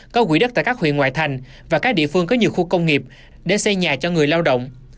có quỹ đất tại các huyện ngoại thành và các địa phương có nhiều khu công nghiệp để xây nhà cho người lao động